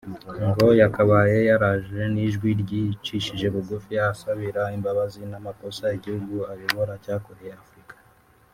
ngo yakabaye yaraje n’ijwi ryicishije bugufi asabira imbabazi n’amakosa igihugu ayobora cyakoreye Afurika